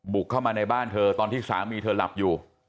เข้ามาในบ้านเธอตอนที่สามีเธอหลับอยู่